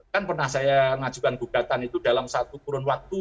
kan pernah saya mengajukan gugatan itu dalam satu kurun waktu